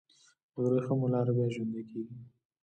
د وریښمو لاره بیا ژوندی کیږي؟